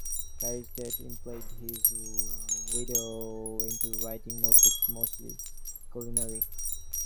Parrish's death impelled his widow into writing more books, mostly culinary.